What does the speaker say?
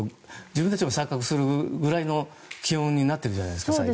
ちょっと錯覚するぐらいの気温になっているじゃないですか。